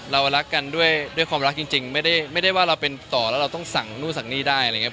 เรารักกันด้วยความรักจริงไม่ได้ว่าเราเป็นต่อแล้วเราต้องสั่งนู่นสั่งนี่ได้อะไรอย่างนี้